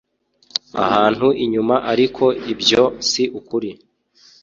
ahantu inyuma ariko ibyo si ukuri